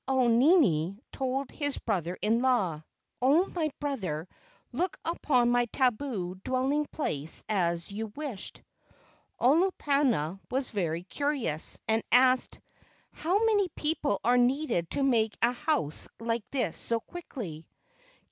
Ke au nini told his brother in law, "Oh, my brother, look upon my tabu dwelling place as you wished. " Olopana was very curious, and asked, "How many people are needed to make a house like this so quickly?"